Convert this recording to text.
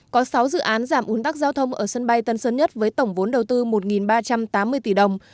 có sáu dự án giảm ủn tắc giao thông ở sân bay tân sơn nhất với tổng vốn đầu tư một ba trăm tám mươi tỷ đồng